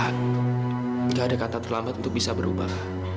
tidak ada kata terlambat untuk bisa berubah